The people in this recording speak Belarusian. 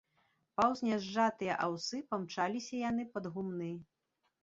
Паўз нязжатыя аўсы памчаліся яны пад гумны.